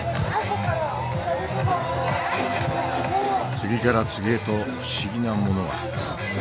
次から次へと不思議なものが。